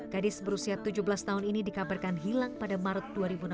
gadis berusia tujuh belas tahun ini dikabarkan hilang pada maret dua ribu enam belas